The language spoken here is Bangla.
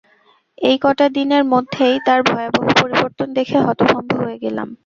এই কটা দিনের মধ্যেই তার ভয়াবহ পরিবর্তন দেখে হতভম্ব হয়ে গেলাম।